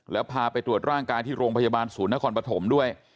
แล้วพาไปตรวจร่างกายที่โรงพยาบาลศูนย์นครปฐมด้วย